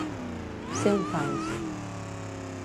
Ser un fals.